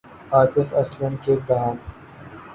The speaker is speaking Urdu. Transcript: عاطف اسلم کے گان